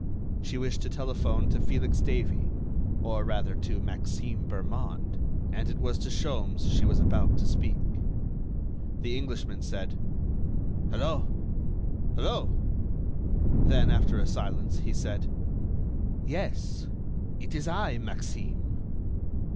She wished to telephone to Felix Davey, or rather to Maxime Bermond, and it was to Sholmes she was about to speak. The Englishman said: "Hello ... Hello!" Then, after a silence, he said: "Yes, it is I, Maxime."